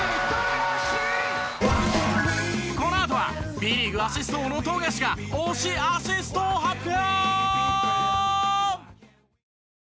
このあとはＢリーグアシスト王の富樫が推しアシストを発表！